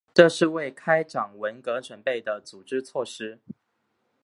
这是为开展文革准备的组织措施。